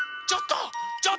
ちょっと！